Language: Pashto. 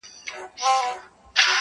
تېره جنازه سوله اوس ورا ته مخامخ يمه